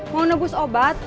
mau nebus obat